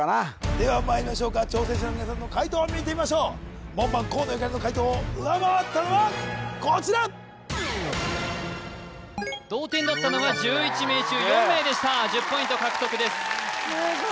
ではまいりましょうか挑戦者の皆さんの解答を見てみましょう門番河野ゆかりの解答を上回ったのはこちら同点だったのが１１名中４名でした１０ポイント獲得です・すごい！